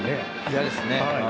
嫌ですね。